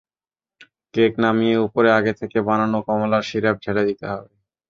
Cake নামিয়ে ওপরে আগে থেকে বানানো কমলার সিরাপ ঢেলে দিতে হবে।